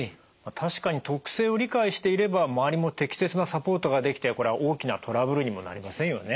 確かに特性を理解していれば周りも適切なサポートができて大きなトラブルにもなりませんよね？